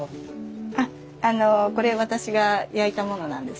あっあのこれ私が焼いたものなんです。